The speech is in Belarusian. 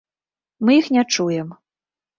Мы іх не чуем.